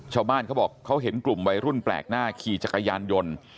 เขาบอกเขาเห็นกลุ่มวัยรุ่นแปลกหน้าขี่จักรยานยนต์